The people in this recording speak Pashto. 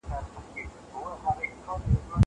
زه به سبا لاس پرېولم.